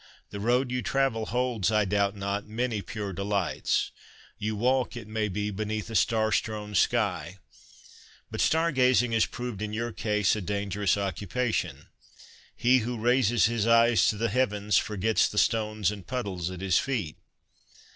The road you travel holds, I doubt not, many pure delights : you walk, it may be, beneath a star strewn sky. But star gazing has proved in your case a dangerous occupation. ' He who raises his eyes to the heavens forgets the stones and puddles at his feet.'